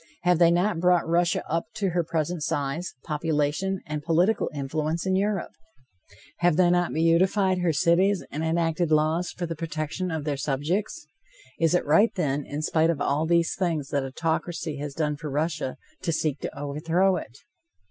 Have they not brought Russia up to her present size, population and political influence in Europe? Have they not beautified her cities and enacted laws for the protection of their subjects? Is it right, then, in spite of all these things that autocracy has done for Russia, to seek to overthrow it?